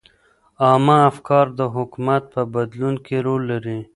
عامه افکار د حکومت په بدلون کې رول لري.